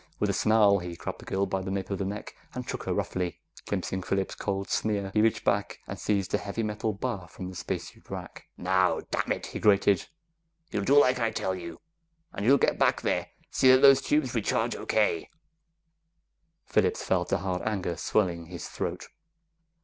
With a snarl, he grabbed the girl by the nape of the neck and shook her roughly. Glimpsing Phillips' cold sneer, he reached back and seized a heavy metal bar from the spacesuit rack. "Now, dammit!" he grated. "You'll do like I tell you! And you get back there an' see that those tubes recharge okay!" Phillips felt a hard anger swelling his throat.